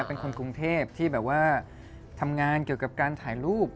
เป็นคนกรุงเทพที่แบบว่าทำงานเกี่ยวกับการถ่ายรูป